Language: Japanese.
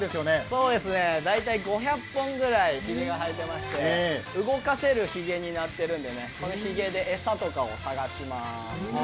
そうですね、大体５００本くらい、ひげが生えていまして動かせるひげになっているんで、このひげで餌とかを探します。